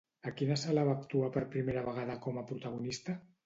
A quina sala va actuar per primera vegada com a protagonista?